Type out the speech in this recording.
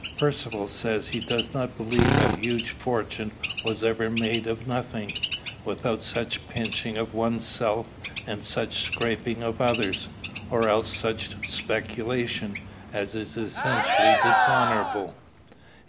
Percivale says he does not believe a huge fortune was ever made of nothing, without such pinching of one's self and such scraping of others, or else such speculation, as is essentially dishonorable."